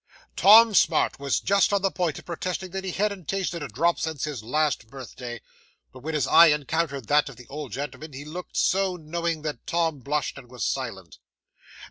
'Tom Smart was just on the point of protesting that he hadn't tasted a drop since his last birthday, but when his eye encountered that of the old gentleman he looked so knowing that Tom blushed, and was silent.